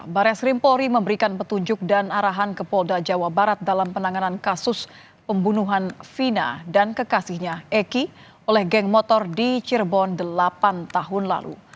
barres krimpori memberikan petunjuk dan arahan ke polda jawa barat dalam penanganan kasus pembunuhan vina dan kekasihnya eki oleh geng motor di cirebon delapan tahun lalu